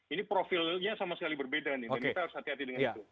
ini profilnya sama sekali berbeda nih dan kita harus hati hati dengan itu